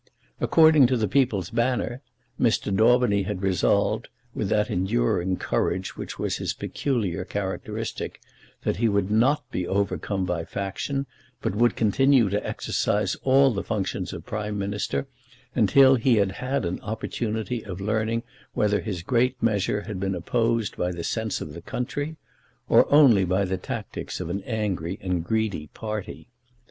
According to The People's Banner, Mr. Daubeny had resolved, with that enduring courage which was his peculiar characteristic, that he would not be overcome by faction, but would continue to exercise all the functions of Prime Minister until he had had an opportunity of learning whether his great measure had been opposed by the sense of the country, or only by the tactics of an angry and greedy party.